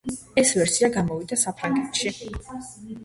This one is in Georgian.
ეს ვერსია გამოვიდა საფრანგეთში.